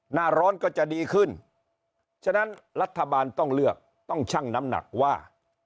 หน้าร้อนก็จะดีขึ้นฉะนั้นรัฐบาลต้องเลือกต้องชั่งน้ำหนักว่า